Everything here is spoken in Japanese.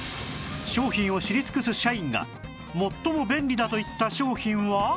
商品を知り尽くす社員が最も便利だと言った商品は？